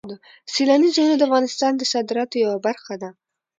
سیلاني ځایونه د افغانستان د صادراتو یوه برخه ده.